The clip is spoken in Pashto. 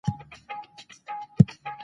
يوازې مذهبي زده کړې کافي نه دي.